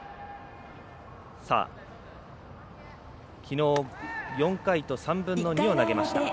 きのう、４回と３分の２を投げました。